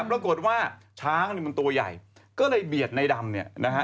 ปรากฏว่าช้างมันตัวใหญ่ก็เลยเบียดในดำเนี่ยนะฮะ